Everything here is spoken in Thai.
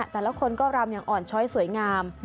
แต่ละคนก็รำอย่างอ่อนช้อยสวยงาม